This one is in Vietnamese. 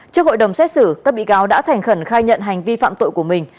trước hội đồng xét xử các bị cáo đã thành khẩn khai nhận hành vi phạm tội của mình